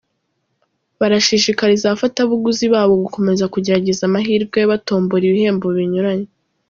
Barashishikariza abafatabuguzi babo gukomeza kugerageza amahirwe batombola ibihembo binyuranye.